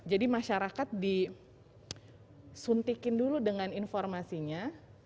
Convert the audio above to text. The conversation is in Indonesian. jadi masyarakat disuntikin dulu dengan informasinya